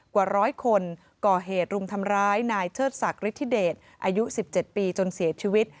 กว่าร้อยคนก่อเหตุรุมทำร้ายนายเชิดศักดิทธิเดชอายุ๑๗ปีจนเสียชีวิต